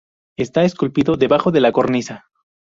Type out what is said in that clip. Está esculpido debajo de la cornisa.